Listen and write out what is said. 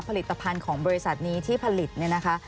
ผลิตภัณฑ์ของบริษัทนี้ที่ผลิตเนี่ยนะคะ